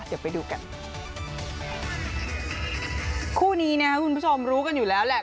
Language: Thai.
เดี๋ยวไปดูกันคู่นี้นะครับคุณผู้ชมรู้กันอยู่แล้วแหละ